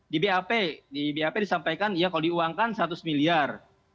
di bap disampaikan ya kalau diuangkan seratus miliar